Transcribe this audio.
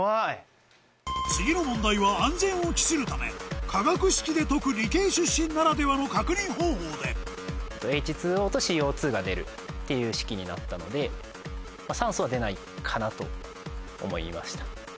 次の問題は安全を期するため化学式で解く理系出身ならではの確認方法でＨＯとＣＯが出るっていう式になったので酸素は出ないかなと思いました。